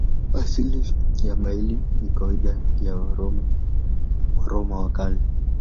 Asili ya maili ni kawaida ya Waroma wa Kale.